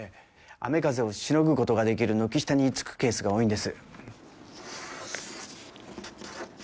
雨風をしのぐことができる軒下に居つくケースが多いんです